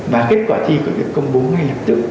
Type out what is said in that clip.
và kết quả thi có thể công bố ngay lập tức